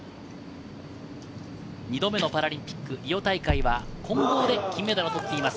２度目のパラリンピック、リオ大会は混合で金メダルを取っています。